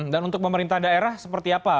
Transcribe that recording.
dan untuk pemerintah daerah seperti apa